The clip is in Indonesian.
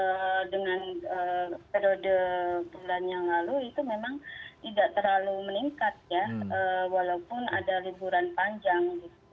nah dengan periode bulan yang lalu itu memang tidak terlalu meningkat ya walaupun ada liburan panjang